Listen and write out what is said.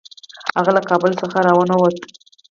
هغه له کابل څخه را ونه ووت.